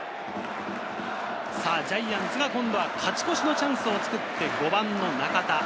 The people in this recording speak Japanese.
ジャイアンツが勝ち越しのチャンスを作って５番の中田。